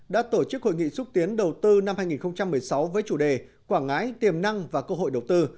đã tổ chức hội nghị xúc tiến đầu tư năm hai nghìn một mươi sáu với chủ đề quảng ngãi tiềm năng và cơ hội đầu tư